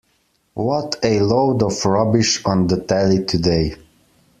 What a load of rubbish on the telly today.